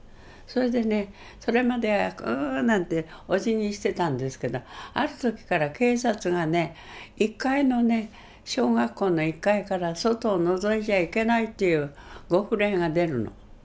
それでねそれまでこうなんておじぎしてたんですけどある時から警察がね「小学校の１階から外をのぞいちゃいけない」という御布令が出るの。